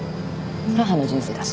母の人生だし。